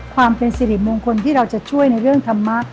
ความเป็นสิริมงคลที่เราจะช่วยในเรื่องธรรมะ